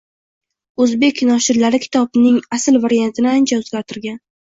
Oʻzbek noshirlari kitobning asl variantini ancha oʻzgartgan